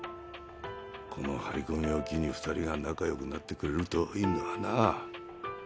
この張り込みを機に２人が仲良くなってくれるといいんだがな。